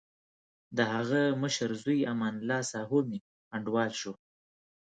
دهغه مشر زوی امان الله ساهو مې انډیوال شو.